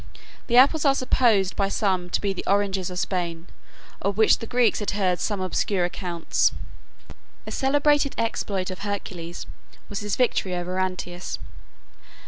The apples are supposed by some to be the oranges of Spain, of which the Greeks had heard some obscure accounts. A celebrated exploit of Hercules was his victory over Antaeus.